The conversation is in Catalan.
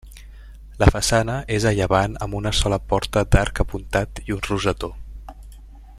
La façana és a llevant amb una sola porta d'arc apuntat i un rosetó.